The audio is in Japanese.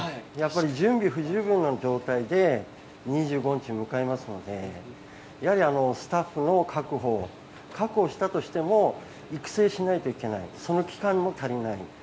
準備不十分な状態で２５日を迎えますので、スタッフの確保、確保したとしても、育成しないといけない、その期間も足りない。